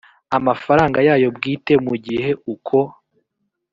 amafaranga yayo bwite mu gihe uko